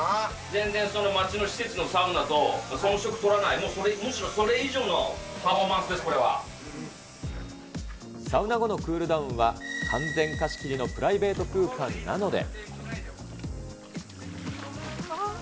全然町の施設のサウナと遜色ない、むしろそれ以上のパフォーサウナ後のクールダウンは、完全貸し切りのプライベート空間なので。